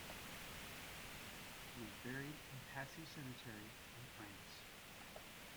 He is buried in Passy Cemetery in France.